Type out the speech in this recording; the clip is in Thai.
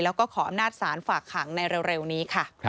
และขออำนาจศาลฝากหางในเร็วนี้